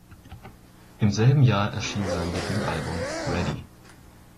Im selben Jahr erschien sein Debüt-Album "Ready".